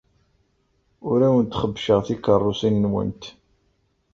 Ur awent-xebbceɣ tikeṛṛusin-nwent.